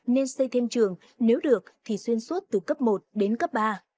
nên xây thêm trường nếu được thì xuyên suốt từ cấp một đến cấp ba